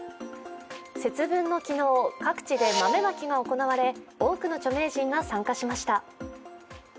節分の昨日、各地で豆まきが行われ多くの著名人が参加しました。